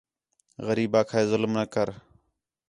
غریب آکھا ہِے ظلم نہ کر